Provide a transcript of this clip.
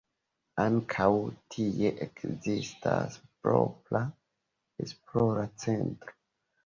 Ankaŭ tie ekzistas propra esplora centro.